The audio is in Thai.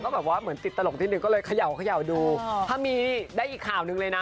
หว้าหรือเสมอเหมือนติดตลกนิดหนึ่งก็เลยขย่าวดูพันมีได้อีกข่าวหนึ่งเลยนะ